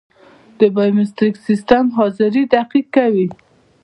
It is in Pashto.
د بایومتریک سیستم حاضري دقیق کوي